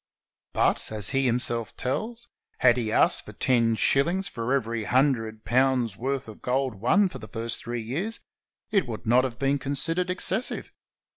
But, as he himself tells, had he asked for ten shillings from every hundred pounds' worth of gold won for the first three years, it would not have been considered excessive.